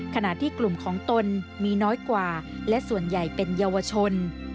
ขณะที่กลุ่มของตนมีน้อยกว่าและส่วนใหญ่เป็นเยาวชน